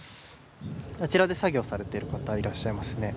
あちらで作業されている方いらっしゃいますね。